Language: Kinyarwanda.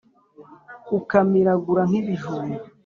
ukamiragura nk’ibijumba